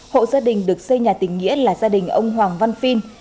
hộ gia đình được xây nhà tình nghĩa là gia đình ông hoàng văn phiên